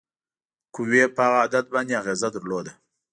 قوې په هغه عدد باندې اغیزه درلوده.